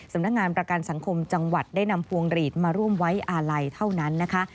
สำนักงานประกันสังคมจังหวัดได้นำพวงหลีดมาร่วมไว้อาลัยเท่านั้นนะคะ